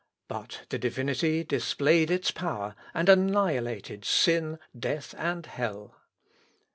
But the Divinity displayed its power, and annihilated sin, death, and hell....